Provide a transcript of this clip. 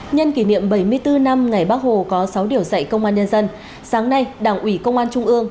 nhân kỷ niệm bảy mươi bốn năm ngày bác hồ có sáu điều dạy công an nhân dân sáng nay đảng ủy công an trung ương